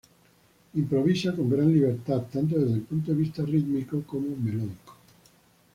Improvisa con gran libertad, tanto desde el punto de vista rítmico como melódico.